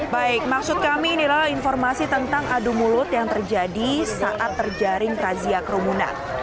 baik maksud kami inilah informasi tentang adu mulut yang terjadi saat terjaring razia kerumunan